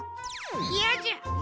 いやじゃ！え？